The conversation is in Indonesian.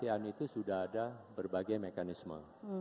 di asia asia itu sudah ada berbagai mekanisme